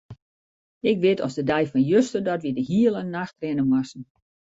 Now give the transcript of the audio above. Ik wit as de dei fan juster dat wy de hiele nacht rinne moasten.